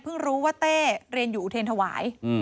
เพิ่งรู้ว่าเต้เรียนอยู่อุทีนถวาย